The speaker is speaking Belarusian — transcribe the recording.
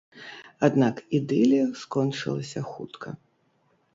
Аднак ідылія скончылася хутка.